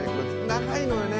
長いのよね。